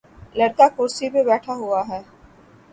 لڑکا کرسی پہ بیٹھا ہوا ہے۔